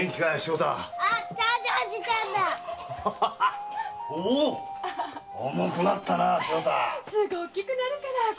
子供はすぐ大きくなるから。